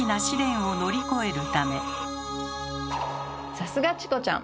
さすがチコちゃん！